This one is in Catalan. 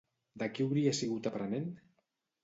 De qui hauria sigut aprenent?